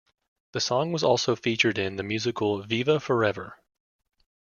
The song was also featured in the musical Viva Forever!